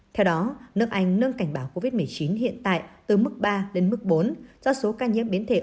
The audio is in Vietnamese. theo đó nước anh nâng cảnh báo covid một mươi chín hiện tại từ mức ba lên mức bốn do số ca nhiễm biến thể